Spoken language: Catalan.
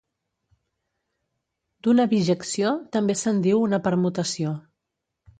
D'una bijecció també se'n diu una permutació.